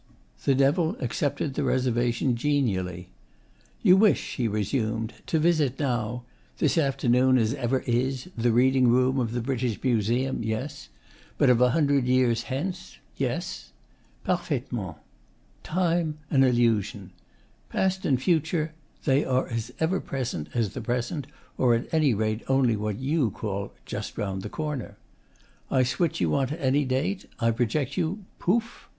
The Devil accepted the reservation genially. 'You wish,' he resumed, 'to visit now this afternoon as ever is the reading room of the British Museum, yes? but of a hundred years hence, yes? Parfaitement. Time an illusion. Past and future they are as ever present as the present, or at any rate only what you call "just round the corner." I switch you on to any date. I project you pouf!